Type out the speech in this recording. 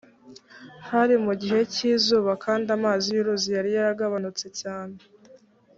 hari mu gihe cy izuba kandi amazi y uruzi yari yaragabanutse cyane